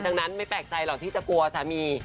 ดังนั้นไม่แปลกใจหรอกที่จะกลัวสามี